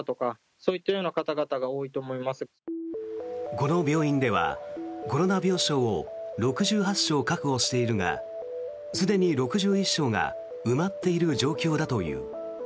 この病院ではコロナ病床を６８床確保しているがすでに６１床が埋まっている状況だという。